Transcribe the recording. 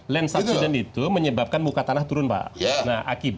land subsidence itu menyebabkan muka tanah turun pak